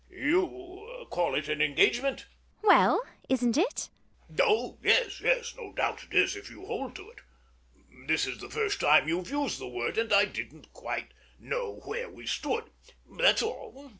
you call it an engagement. ELLIE. Well, isn't it? MANGAN. Oh, yes, yes: no doubt it is if you hold to it. This is the first time you've used the word; and I didn't quite know where we stood: that's all.